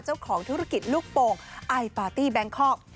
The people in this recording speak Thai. เจ้าของธุรกิจลูกโป่งไอปาร์ตี้แบงคอก